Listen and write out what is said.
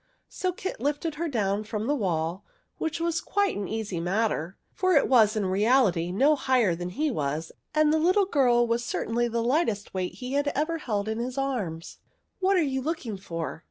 So Kit lifted her down from the wall, which was quite an easy matter, for it was in reality no higher than he was and the little girl was certainly the lightest weight he had ever held in his arms. '* What are you looking for